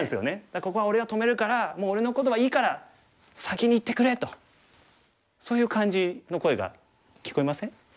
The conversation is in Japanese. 「だからここは俺が止めるからもう俺のことはいいから先にいってくれ」とそういう感じの声が聞こえません？